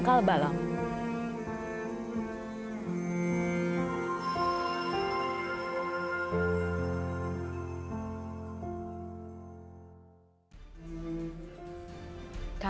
ia menemukan pelayanan ke jepang